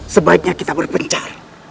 sebaiknya kita berpencar